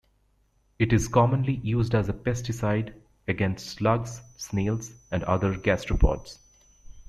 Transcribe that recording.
It is commonly used as a pesticide against slugs, snails, and other gastropods.